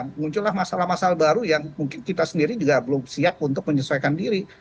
muncullah masalah masalah baru yang mungkin kita sendiri juga belum siap untuk menyesuaikan diri